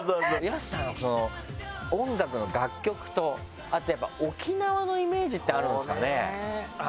ＹＡＳＵさんは音楽の楽曲とあとやっぱ沖縄のイメージってあるんですかね。